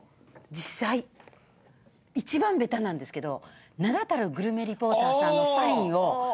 実際一番ベタなんですけど名だたるグルメリポーターさんのサインを店前に。